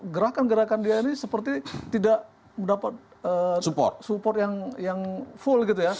gerakan gerakan dia ini seperti tidak mendapat support yang full gitu ya